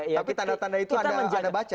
tapi tanda tanda itu ada baca ya